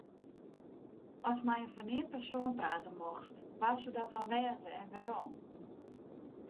Ast mei in ferneamd persoan prate mochtst, wa soe dat dan wêze en wêrom?